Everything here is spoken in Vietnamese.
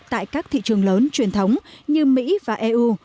tại các thị trường lớn truyền thống như mỹ và eu